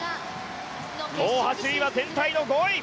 大橋悠依は全体の５位！